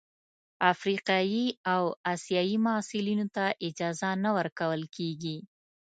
افریقايي او اسیايي محصلینو ته اجازه نه ورکول کیږي.